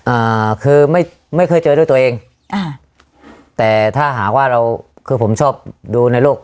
อ่าคือไม่ไม่เคยเจอด้วยตัวเองอ่าแต่ถ้าหากว่าเราคือผมชอบดูในโลก